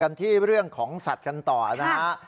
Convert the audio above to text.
กันที่เรื่องของสัตว์กันต่อนะฮะ